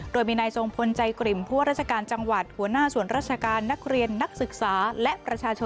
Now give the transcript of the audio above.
โรยมีในทรงพลใจกริมฟั่วรัชกาลจังหวัดหัวหน้าสวนรัชกาลนักเรียนนักศึกษาและ